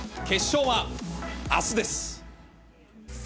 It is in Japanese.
決勝はあすです。